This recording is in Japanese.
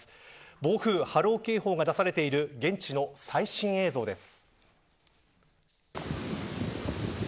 暴風波浪警報が出されている現地の最新映像です。